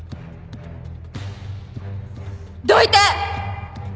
どいて！